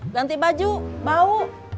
ganti baju bau